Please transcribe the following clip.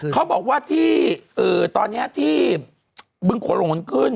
เขาบอกว่าที่ตอนนี้ที่บึงโขลงมันขึ้น